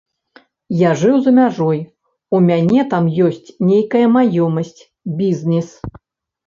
Я жыў за мяжой, у мяне там ёсць нейкая маёмасць, бізнес.